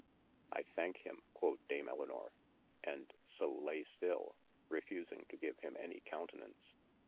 I thank him (quod dame Elinor) & so lay still, refusing to give him any countenace.